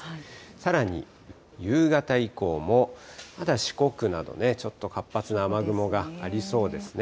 さらに夕方以降もまだ四国など、ちょっと活発な雨雲がありそうですね。